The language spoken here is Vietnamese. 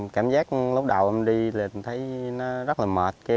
cảm giác lúc đầu em đi là em thấy nó rất là mệt